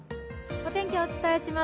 お天気、お伝えします。